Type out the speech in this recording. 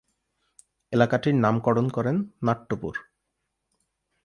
এলাকাটির নামকরণ করেন নাট্যপুর।